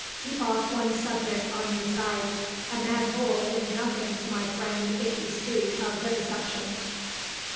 Keep off one subject on your side. A mad bull is nothing to my friend if you speak of Vivisection."